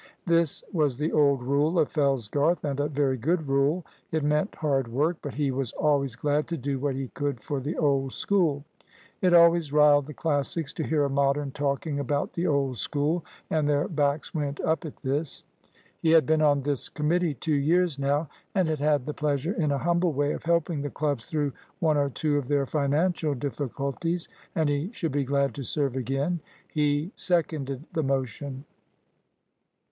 This was the old rule of Fellsgarth, and a very good rule. It meant hard work, but he was always glad to do what he could for the old School. (It always riled the Classics to hear a Modern talking about "the old School," and their backs went up at this.) He had been on this committee two years now, and had had the pleasure in a humble way of helping the clubs through one or two of their financial difficulties, and he should be glad to serve again. He seconded the motion.